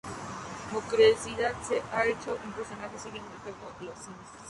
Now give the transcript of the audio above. Como curiosidad, se ha hecho un personaje suyo en el juego Los Sims.